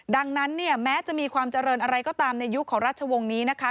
ดังนั้นเนี่ยแม้จะมีความเจริญอะไรก็ตามในยุคของราชวงศ์นี้นะคะ